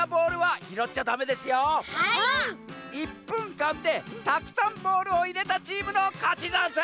１ぷんかんでたくさんボールをいれたチームのかちざんす！